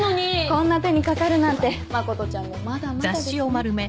こんな手に掛かるなんて真ちゃんもまだまだですね。